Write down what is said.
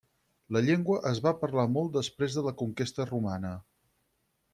La llengua es va parlar molt després de la conquesta romana.